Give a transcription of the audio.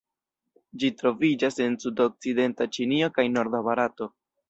Ĝi troviĝas en sudokcidenta Ĉinio kaj norda Barato.